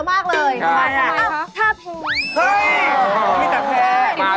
มานี่ตามมาตั้ง